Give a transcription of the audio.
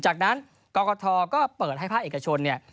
จากนั้นกรกฐก็เปิดให้ผ้าเอกชน